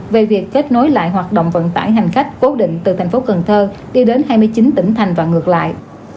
về việc kết nối lại hoạt động vận tải hành khách cố định từ thành phố cần thơ đi đến hai mươi chín tỉnh thành và ngược lại